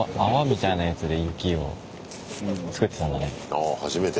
ああ初めて。